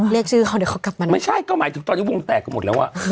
เรียกชื่อเขาเดี๋ยวเขากลับมาไม่ใช่ก็หมายถึงตอนนี้วงแตกกันหมดแล้วอ่ะ